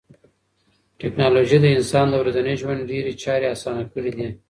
ټکنالوژي د انسان د ورځني ژوند ډېری چارې اسانه کړې دي.